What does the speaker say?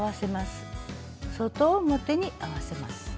外表に合わせます。